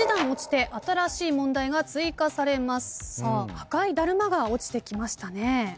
赤いダルマが落ちてきましたね。